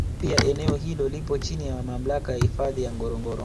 Pia eneo hili lipo chini ya Mamlaka ya Hifadhi ya Ngorongoro